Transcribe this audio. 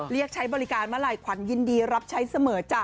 เรียกใช้บริการเมื่อไหร่ขวัญยินดีรับใช้เสมอจ้ะ